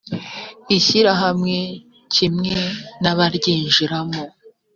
ishyirahamwe kimwe n abaryinjiramo